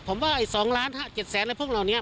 ผมว่าอีกสองล้านห้าเจ็ดแสนอะไรพวกเราเนี้ย